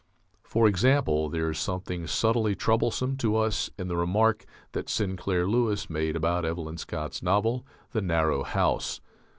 For example, there is something subtly troublesome to us in the remark that Sinclair Lewis made about Evelyn Scott's novel, "The Narrow House."